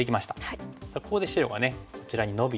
さあここで白がこちらにノビて。